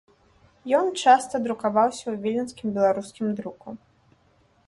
Ён часта друкаваўся ў віленскім беларускім друку.